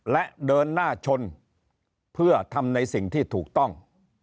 และเดินหน้าชนเพื่อทำในสิ่งที่ถูกต้อง